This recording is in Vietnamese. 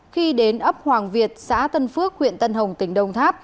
khi đến ấp hoàng việt xã tân phước huyện tân hồng tỉnh đông tháp